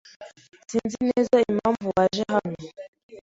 Sinzi neza impamvu waje hano.